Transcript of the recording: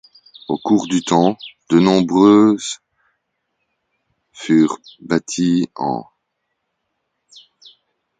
Au cours du temps, de nombreuses ' furent bâties en '.